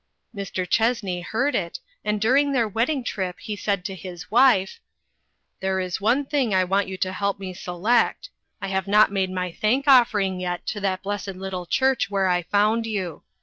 Mr. Chessney heard it, and during their wedding trip he said to his wife: " There is one thing I want you to help me select. I have not made my thank offering yet to that blessed little church where I found you.